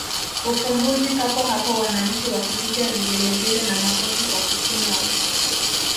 ufumbuzi papo hapo wananchi wakipiga vigelegele na makofi kwa kukunwa